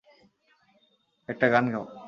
একটা গান গাও।